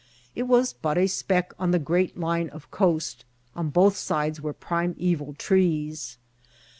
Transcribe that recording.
It was but a speck on the great line of coast; on both sides were primeval trees.